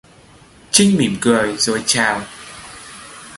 Trinh mỉm cười rồi chào